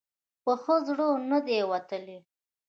په ښه زړه نه دی وتلی.